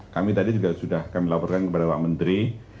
kami tadi juga sudah kami laporkan kepada pak menteri